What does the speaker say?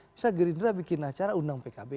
misalnya gerindra bikin acara undang pkb